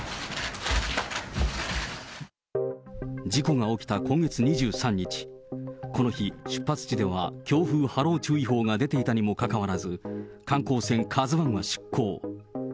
事故が起きた今月２３日、この日、出発地では強風・波浪注意報が出ていたにもかかわらず、観光船、カズワンは出航。